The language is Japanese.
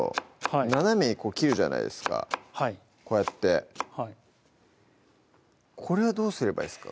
斜めにこう切るじゃないですかこうやってはいこれはどうすればいいですか？